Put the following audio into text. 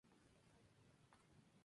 Ubicado a pocos kilómetros de la capital.